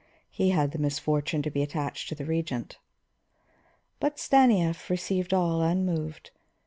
He had the misfortune to be attached to the Regent. But Stanief received all unmoved.